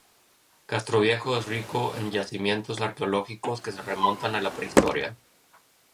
Castroviejo es rico en yacimientos arqueológicos que se remontan a la Prehistoria.